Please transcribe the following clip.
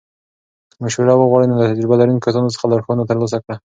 که مشوره وغواړې، نو له تجربه لرونکو کسانو څخه لارښوونه ترلاسه کړه.